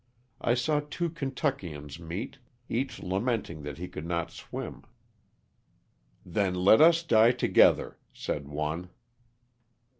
I saw two Kentuckians meet, each lamenting that he could not swim. '* Then let us die together," said one.